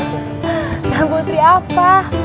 tuan putri apa